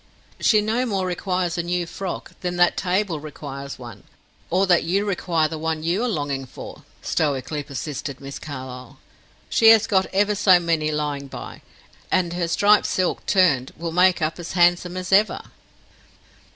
"She no more requires a new frock than that table requires one, or that you require the one you are longing for," stoically persisted Miss Carlyle. "She has got ever so many lying by, and her striped silk, turned, will make up as handsome as ever."